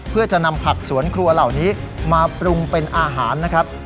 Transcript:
เพื่อจะนำผักสวนครัวเหล่านี้มาปรุงเป็นอาหารนะครับ